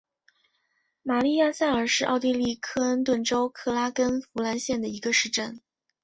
玛丽亚萨尔是奥地利克恩顿州克拉根福兰县的一个市镇。